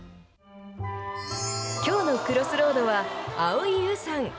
きょうのＣｒｏｓｓｒｏａｄは蒼井優さん。